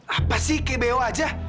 apa sih kebewa aja